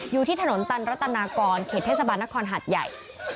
อยู่ที่ถนนตันรัตนากรเขตเทศบาลนครหัดใหญ่